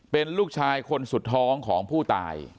เป็นลูกชายคนสุดท้องของผู้ตาย